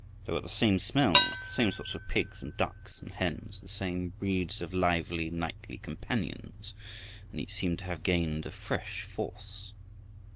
There were the same smells, the same sorts of pigs and ducks and hens, the same breeds of lively nightly companions, and each seemed to have gained a fresh force.